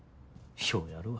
ようやるわ。